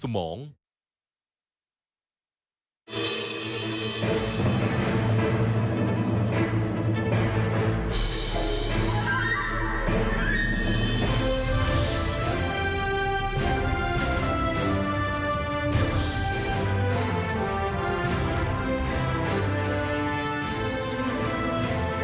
ไม่หวนอื่นกับทางงานเรือง